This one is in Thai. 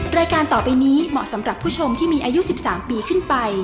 รายการต่อไปนี้เหมาะสำหรับผู้ชมที่มีอายุ๑๓ปีขึ้นไป